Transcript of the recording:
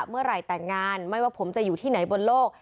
เมื่อไหร่แต่งงานไม่ว่าผมจะอยู่ที่ไหนบนโลก